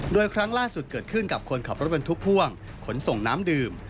โดยครั้งล่าสุดเกิดขึ้นกับคนขับรถบรรทุกพ่วงขนส่งน้ำดื่ม